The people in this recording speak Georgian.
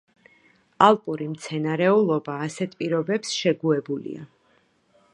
ალპური მცენარეულობა ასეთ პირობებს შეგუებულია.